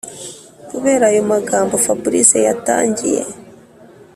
kubera ayo magambo fabric yatangiye